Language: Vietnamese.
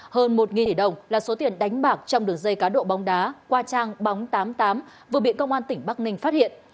hơn một tỷ đồng là số tiền đánh bạc trong đường dây cá độ bóng đá qua trang bóng tám mươi tám vừa bị công an tỉnh bắc ninh phát hiện